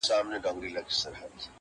ته خو دا ټول کاينات خپله حافظه کي ساتې _